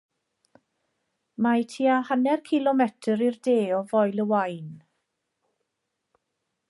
Mae tua hanner cilometr i'r de o Foel y Waun.